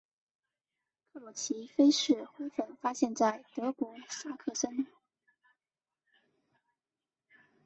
克鲁奇菲氏花粉发现在德国萨克森。